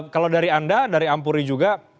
kalau dari anda dari ampuri juga